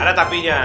ada tapi nya